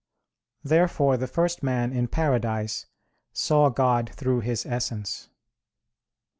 Therefore the first man in paradise saw God through His Essence.